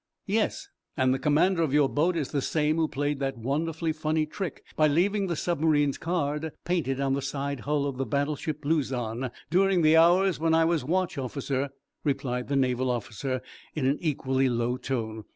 "Yes, and the commander of your boat is the same who played that wonderfully funny trick by leaving the submarine's card painted on the side hull of the battleship 'Luzon' during the hours when I was watch officer," replied the Naval officer, in an equally low tone.